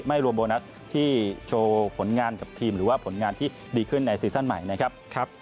รวมโบนัสที่โชว์ผลงานกับทีมหรือว่าผลงานที่ดีขึ้นในซีซั่นใหม่นะครับ